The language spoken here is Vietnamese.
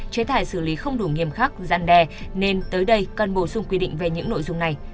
chế tài xử lý không đủ nghiêm khắc giăn đè nên tới đây cần bổ sung quy định về những nội dung này